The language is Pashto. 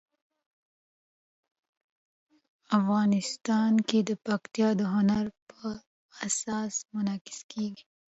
افغانستان کې پکتیا د هنر په اثار کې منعکس کېږي.